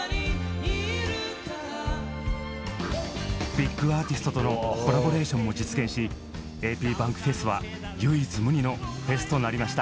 ビッグアーティストとのコラボレーションも実現しａｐｂａｎｋｆｅｓは唯一無二のフェスとなりました。